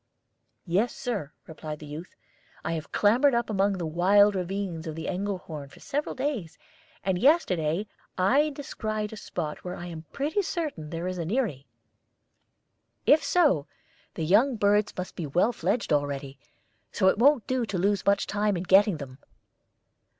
"Yes, Sir," replied the youth. "I have clambered up among the wild ravines of the Engelhorn for several days, and yesterday I descried a spot where I am pretty certain there is an eyrie. If so, the young birds must be well fledged already; so it won't do to lose much time in getting them."